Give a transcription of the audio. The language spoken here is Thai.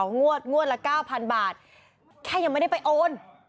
งวดงวดละ๙๐๐บาทแค่ยังไม่ได้ไปโอน